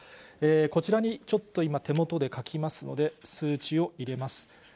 こちらにちょっと今、手元で書きますので、数値を入れます。